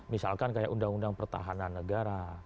misalkan kayak undang undang pertahanan negara